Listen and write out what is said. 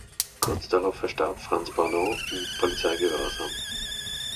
Kurz darauf verstarb Franz Bardon in Polizeigewahrsam.